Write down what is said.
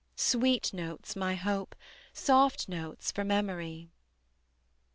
Sweet notes, my hope, soft notes for memory.